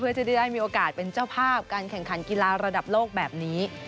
จะได้มีโอกาสเป็นเจ้าภาพการแข่งขันกีฬาระดับโลกแบบนี้